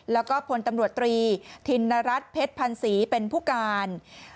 แล้วก็พลตำรวจตรีธินรัฐเพชรพันศรีเป็นผู้การ